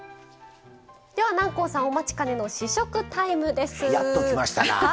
南光さん、お待ちかねの試食タイムです。